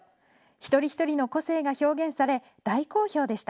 一人一人の個性が表現され、大好評でした。